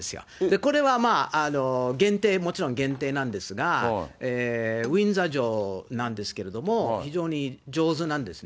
これはまあ、限定、もちろん限定なんですが、ウィンザー城なんですが、非常に上手なんですね。